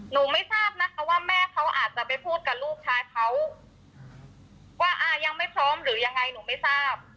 หนูไม่ทราบนะคะว่าแม่เขาอาจจะไปพูดกับลูกชายเขาว่าอ่ายังไม่พร้อมหรือยังไงหนูไม่ทราบ